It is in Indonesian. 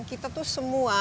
kita tuh semua